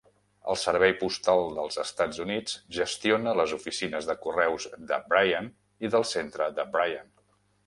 El Servei Postal dels Estats Units gestiona les oficines de correus de Bryan i del centre de Bryan.